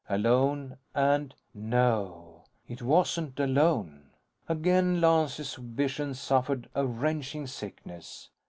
Alone and No, it wasn't alone! Again, Lance's vision suffered a wrenching sickness.